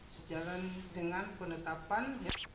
sejalan dengan penetapan